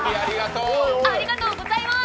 ありがとうございます。